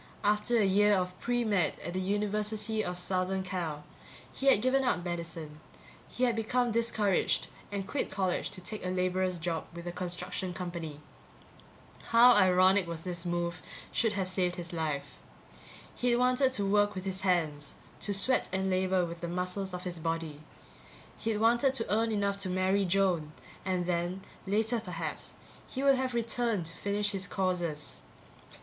After a year of pre med at the University of Southern Cal, he had given up medicine; he had become discouraged and quit college to take a laborer's job with a construction company. How ironic that this move should have saved his life! He'd wanted to work with his hands, to sweat and labor with the muscles of his body. He'd wanted to earn enough to marry Joan and then, later perhaps, he would have returned to finish his courses.